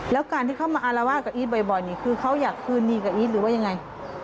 แล้วการที่เขามาอารวาสกับอีทบ่อยนี่คือเขาอยากคืนดีกับอีทหรือว่ายังไง